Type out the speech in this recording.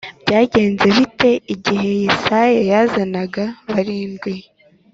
Byagenze bite igihe Yesayi yazanaga barindwi